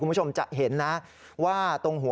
คุณผู้ชมไปฟังเธอธิบายแล้วกันนะครับ